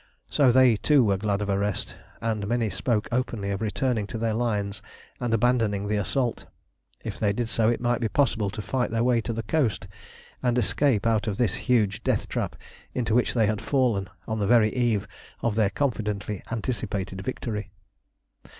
So they, too, were glad of a rest, and many spoke openly of returning to their lines and abandoning the assault. If they did so it might be possible to fight their way to the coast, and escape out of this huge death trap into which they had fallen on the very eve of their confidently anticipated victory.